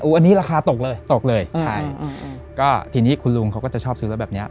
อันนี้ราคาตกเลยตกเลยใช่ก็ทีนี้คุณลุงเขาก็จะชอบซื้อรถแบบเนี้ย